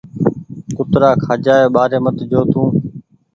ڪُترآ کآجآئي ٻآري مت جو تونٚ